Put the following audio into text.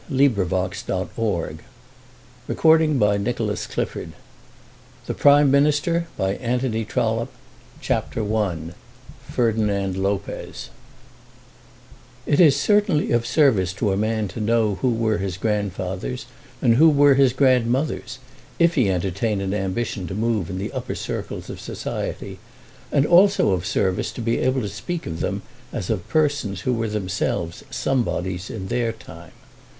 The New Ministry LXXIX. The Wharton Wedding LXXX. The Last Meeting at Matching VOLUME I CHAPTER I Ferdinand Lopez It is certainly of service to a man to know who were his grandfathers and who were his grandmothers if he entertain an ambition to move in the upper circles of society, and also of service to be able to speak of them as of persons who were themselves somebodies in their time.